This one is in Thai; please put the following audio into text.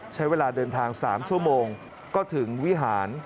ใช้เวลาเดินทาง๓ชั่วโมงก็ถึงวิหาร